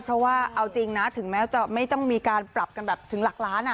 เพราะว่าเอาจริงนะถึงแม้จะไม่ต้องมีการปรับกันแบบถึงหลักล้าน